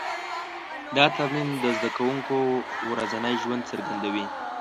دا تمرین د زده کوونکو ورځنی ژوند څرګندوي.